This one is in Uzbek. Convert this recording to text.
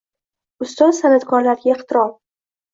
Ustoz san’atkorlarga ehtirom